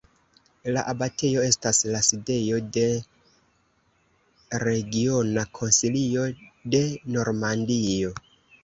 La abatejo estas la sidejo de Regiona Konsilio de Normandio.